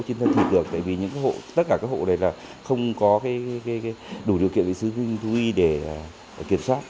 trên thân thịt được tại vì tất cả các hộ này là không có đủ điều kiện vệ sinh thú y để kiểm soát